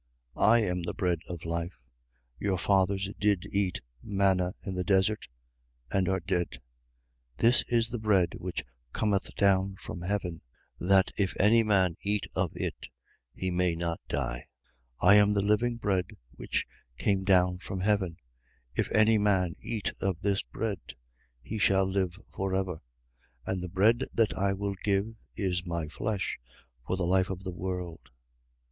6:48. I am the bread of life. 6:49. Your fathers did eat manna in the desert: and are dead. 6:50. This is the bread which cometh down from heaven: that if any man eat of it, he may not die. 6:51. I am the living bread which came down from heaven. 6:52. If any man eat of this bread, he shall live for ever: and the bread that I will give is my flesh, for the life of the world.